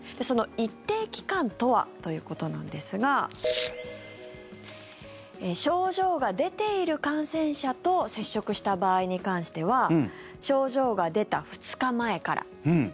その一定期間とは？ということなんですが症状が出ている感染者と接触した場合に関しては症状が出た２日前から。